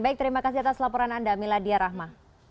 baik terima kasih atas laporan anda miladia rahma